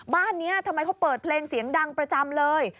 บ้านนี้ทำไมเขาเปิดเพลงเสียงดังประจำเลย